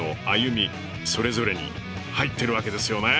それぞれに入ってるわけですよね。